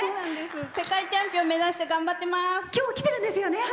世界チャンピオン目指して頑張ってます。